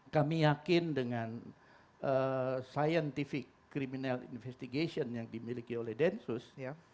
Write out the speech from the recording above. kami yakin dengan scientific criminal investigation yang dimiliki oleh densus